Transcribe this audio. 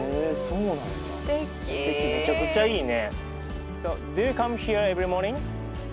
むちゃくちゃいいね。